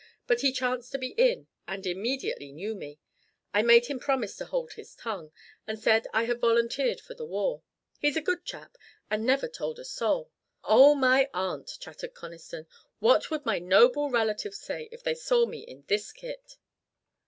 But he chanced to be in, and immediately knew me. I made him promise to hold his tongue, and said I had volunteered for the war. He's a good chap, and never told a soul. Oh, my aunt!" chattered Conniston. "What would my noble relatives say if they saw me in this kit?"